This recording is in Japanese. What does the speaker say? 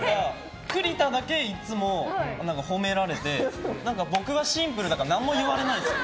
栗田だけ、いつも褒められて僕はシンプルだから何も言われないんです。